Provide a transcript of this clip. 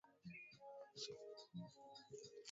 Mkulima anatakiwa kufanya maamuzi kama atataka kuuza mwenyewe